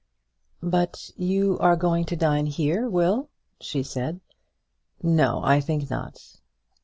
"But you are going to dine here, Will?" she said. "No; I think not."